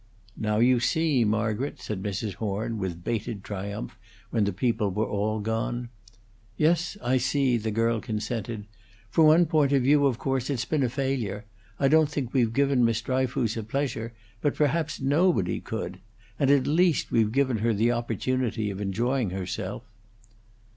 "Now you see, Margaret," said Mrs. Horn, with bated triumph, when the people were all gone. "Yes, I see," the girl consented. "From one point of view, of course it's been a failure. I don't think we've given Miss Dryfoos a pleasure, but perhaps nobody could. And at least we've given her the opportunity of enjoying herself."